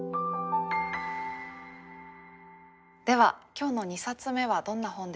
では今日の２冊目はどんな本でしょうか？